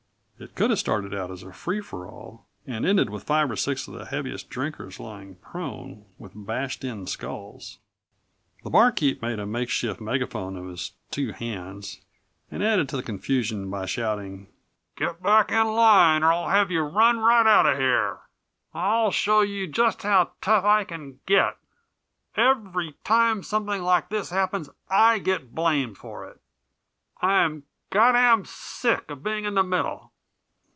It could have started off as a free for all and ended with five or six of the heaviest drinkers lying prone, with bashed in skulls. The barkeep made a makeshift megaphone of his two hands and added to the confusion by shouting: "Get back in line or I'll have you run right out of here. I'll show you just how tough I can get. Every time something like this happens I get blamed for it. I'm goddam sick of being in the middle."